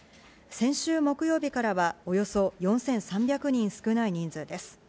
先週木曜日からはおよそ４３００人少ない人数です。